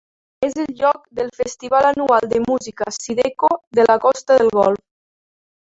És el lloc del festival anual de música Zydeco de la Costa del Golf.